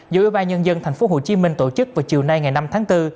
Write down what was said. do ủy ban nhân dân thành phố hồ chí minh tổ chức vào chiều nay ngày năm tháng bốn